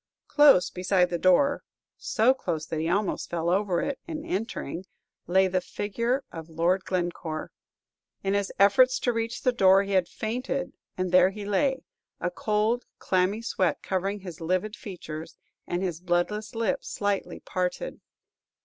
Close beside the door so close that he almost fell over it in entering lay the figure of Lord Glencore. In his efforts to reach the door he had fainted, and there he lay, a cold, clammy sweat covering his livid features, and his bloodless lips slightly parted.